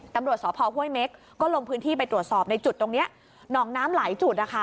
ตำรวจสพห้วยเม็กก็ลงพื้นที่ไปตรวจสอบในจุดตรงนี้หนองน้ำหลายจุดนะคะ